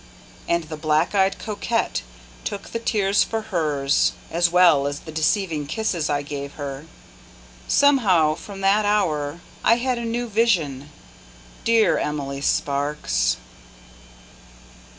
And the Black eyed cocotte took the tears for hers, As well as the deceiving kisses I gave her. Somehow, from that hour, I had a new vision Dear Emily Sparks!